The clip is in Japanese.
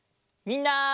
みんな！